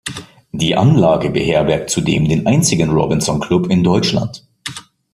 Die Anlage beherbergt zudem den einzigen Robinson Club in Deutschland.